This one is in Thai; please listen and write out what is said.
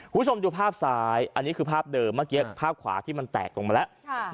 คุณผู้ชมดูภาพซ้ายอันนี้คือภาพเดิมเมื่อกี้ภาพขวาที่มันแตกลงมาแล้ว